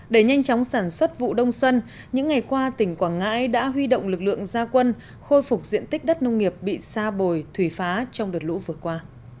để nhanh chóng sản xuất vụ đông xuân những ngày qua tỉnh quảng ngãi đã huy động lực lượng gia quân khôi phục diện tích đất nông nghiệp bị sa bồi thủy phá trong đợt lũ vừa qua